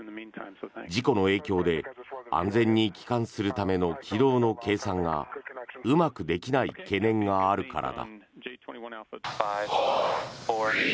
事故の影響で安全に帰還するための軌道の計算がうまくできない懸念があるからだ。